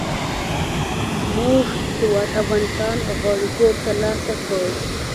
زموږ هېواد افغانستان غړیتوب تر لاسه کړ.